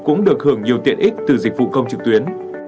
cũng được hưởng nhiều tiện ích từ dịch vụ công trực tuyến